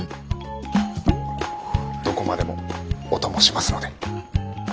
どこまでもお供しますので。